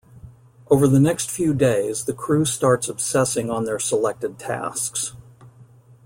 Over the next few days the crew starts obsessing on their selected tasks.